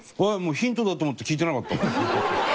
ヒントだと思って聞いてなかった。